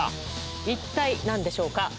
一体何でしょうか？